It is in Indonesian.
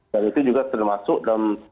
dan itu juga termasuk dalam